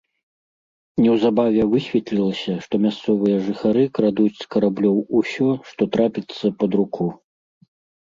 Неўзабаве высветлілася, што мясцовыя жыхары крадуць з караблёў усё, што трапіцца пад руку.